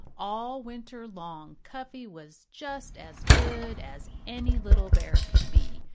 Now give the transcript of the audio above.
All winter long Cuffy was just as good as any little bear could be.